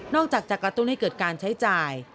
จากจะกระตุ้นให้เกิดการใช้จ่าย